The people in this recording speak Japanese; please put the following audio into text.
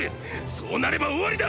そうなれば終わりだ！！